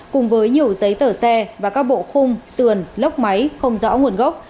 cùng với nhiều giấy tờ xe và các bộ khung sườn lốc máy không rõ nguồn gốc